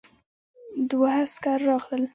دوه عسکر راغلل.